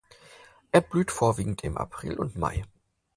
Er blüht vorwiegend im April und Mai.